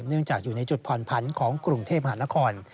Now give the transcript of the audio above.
จากอยู่ในจุดผ่อนผันของกรุงเทพมหานคร